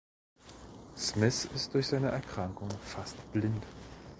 Smyth ist durch seine Erkrankung fast blind.